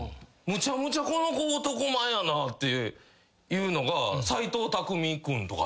むちゃむちゃこの子男前やなっていうのが。